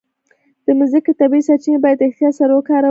د مځکې طبیعي سرچینې باید احتیاط سره وکارول شي.